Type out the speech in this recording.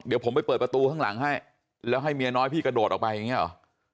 เดี๋ยวผมไปเปิดประตูข้างหลังให้แล้วให้เมียน้อยพี่กระโดดออกไปอย่างนี้หรอ